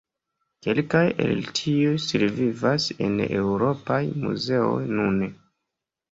Kelkaj el tiuj survivas en eŭropaj muzeoj nune.